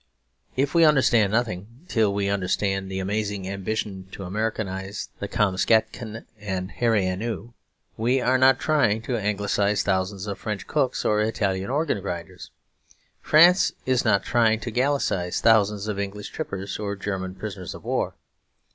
We understand nothing till we understand the amazing ambition to Americanise the Kamskatkan and the Hairy Ainu. We are not trying to Anglicise thousands of French cooks or Italian organ grinders. France is not trying to Gallicise thousands of English trippers or German prisoners of war.